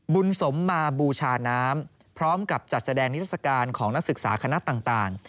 บุญสมมาบูชาน้ำพร้อมกับจัดแสดงนิทรศการของนักศึกษาคณะต่าง